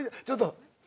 ちょっと。